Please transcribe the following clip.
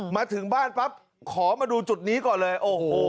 มาถึงบ้านปั๊บขอมาดูจุดนี้ก่อนเลยโอ้โห